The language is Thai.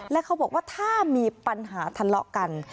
และเขาบอกว่าถ้ามีปัญหาทะเลาะกัน